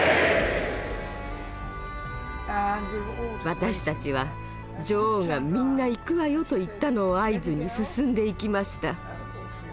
私たちは女王が「みんな行くわよ」と言ったのを合図に進んでいきました。